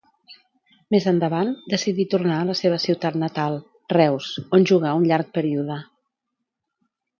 Més endavant, decidí tornar a la seva ciutat natal, Reus, on jugà un llarg període.